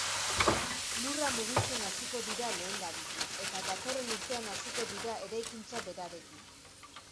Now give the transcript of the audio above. Lurra mugitzen hasiko dira lehendabizi, eta datorren urtean hasiko dira eraikuntza berarekin.